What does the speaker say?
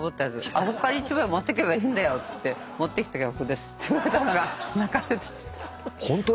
あそこから１枚持ってけばいいんだよ』っつって持ってきた曲です」って言われたのが『泣かせて』ホントですか？